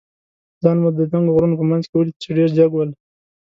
ځان مو د دنګو غرونو په منځ کې ولید، چې ډېر جګ ول.